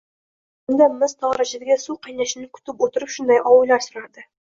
kamin yoqinida mis togʻorachadagi suv qaynashini kutib oʻtirib shunday oʻylar surardi.